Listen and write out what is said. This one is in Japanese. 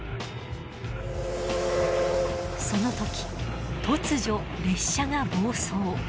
その時突如列車が暴走。